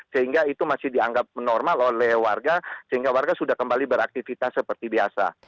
sehingga itu masih dianggap normal oleh warga sehingga warga sudah kembali beraktivitas seperti biasa